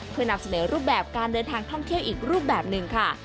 เพื่อนำเสนอรูปแบบการเดินทางท่องเที่ยวอีกรูปแบบหนึ่งค่ะ